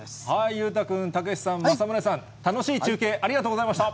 裕太君、剛さん、利宗さん、楽しい中継ありがとうございました。